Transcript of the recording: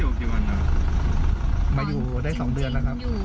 นี่พี่สัญญาแล้วใช่ไหมพี่จะให้ความเชื่อ